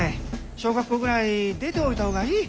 小学校ぐらい出ておいた方がいい。